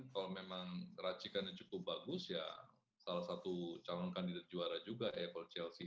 kalau memang racikannya cukup bagus ya salah satu calon kandidat juara juga apple chelsea